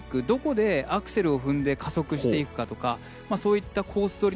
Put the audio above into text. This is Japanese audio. どこでアクセルを踏んで加速していくかとかそういったコース